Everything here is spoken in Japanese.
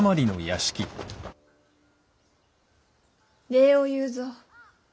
礼を言うぞ。